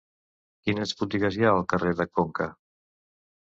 Quines botigues hi ha al carrer de Conca?